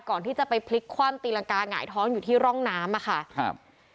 ก่อนที่จะไปพลิกคว่ำตีรังกาหงายท้องอยู่ที่ร่องน้ำอ่ะค่ะครับ